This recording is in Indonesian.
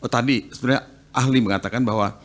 tadi sebenarnya ahli mengatakan bahwa